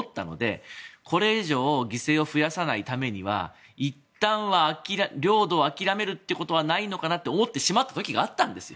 これ以上犠牲を増やさないためにはいったんは領土を諦めるということはないのかなって思ってしまった時があったんですよ。